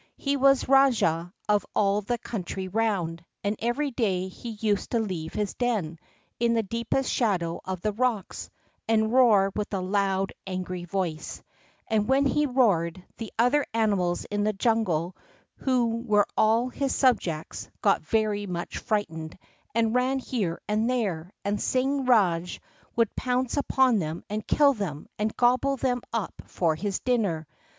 He was rajah of all the country round, and every day he used to leave his den, in the deepest shadow of the rocks, and roar with a loud, angry voice; and when he roared, the other animals in the jungle, who were all his subjects, got very much frightened and ran here and there; and Singh Rajah would pounce upon them and kill them, and gobble them up for his dinner.